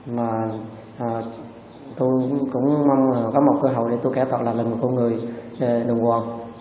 mà tôi cũng mong có một cơ hội để tôi kẻ tạo là một con người đồng hồ